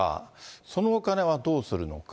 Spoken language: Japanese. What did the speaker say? そのお金はどうするのか。